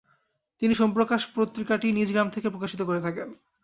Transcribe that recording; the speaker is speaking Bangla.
তিনি সোমপ্রকাশ পত্রিকাটি নিজ গ্রাম থেকে প্রকাশিত করতে থাকেন।